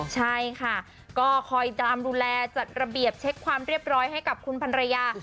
ใช่ค่ะก็คอยตามดูแลจัดระเบียบเช็คความเรียบร้อยให้กับคุณพันรยา